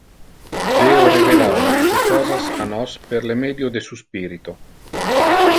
Deo revelava iste cosas a nos per le medio de Su Spirito.